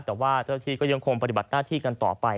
แต่ว่าเจ้าที่ก็ยังคงปฏิบัติหน้าที่กันต่อไป